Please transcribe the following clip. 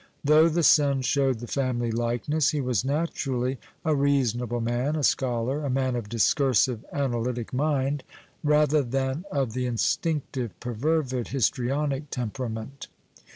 Though the son showed the family likeness he was naturally a reasonable man, a scholar, a man of discursive analytic mind rather than of the instinctive perfervid histrionic temperament.